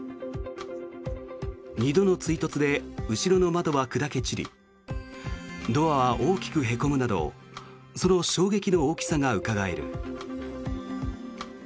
２度の追突で後ろの窓は砕け散りドアは大きくへこむなどその衝撃の大きさがうかがえる。